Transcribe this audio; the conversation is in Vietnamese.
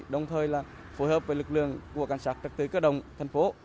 đồng thời là phối hợp với lực lượng của cảnh sát trật tự cơ đồng thành phố